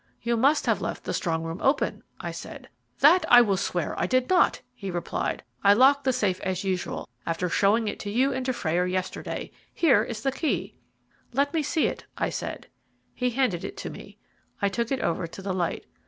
"You must have left the strong room open," I said. "That I will swear I did not," he replied. "I locked the safe as usual, after showing it to you and Dufrayer yesterday. Here is the key." "Let me see it," I said. He handed it to me. I took it over to the light.